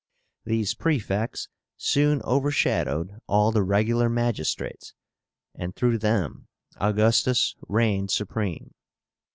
These Praefects soon overshadowed all the regular magistrates, and through them Augustus reigned supreme.